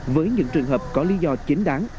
với những trường hợp có lý do chính đáng